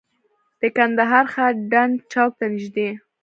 د کندهار ښار ډنډ چوک ته نږدې.